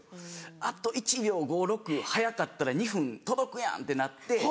あと１秒５６速かったら２分届くやんってなって。